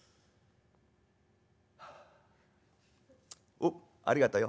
「『おっありがとよ』。